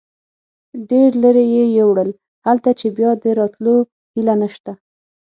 ډېر لرې یې یوړل، هلته چې بیا د راتلو هیله نشته.